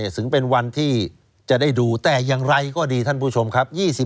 ถึงเป็นวันที่จะได้ดูแต่อย่างไรก็ดีท่านผู้ชมครับ